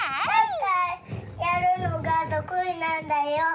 サッカーやるのがとくいなんだよ。